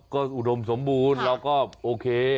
ก็อุดมสมบูรณ์เราก็โอเค